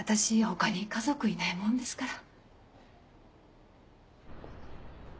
他に家族いないもんですから。